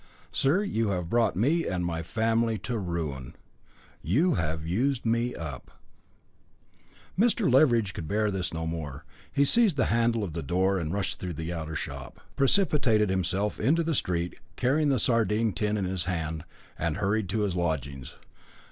Sir, you have brought me and my family to ruin you have used me up." Leveridge could bear this no more; he seized the handle of the door, rushed through the outer shop, precipitated himself into the street, carrying the sardine tin in his hand, and hurried to his lodgings.